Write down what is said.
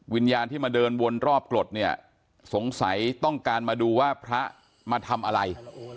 วิญญาณที่มาเดินวนรอบกรดเนี่ยสงสัยต้องการมาดูว่าพระมาทำอะไร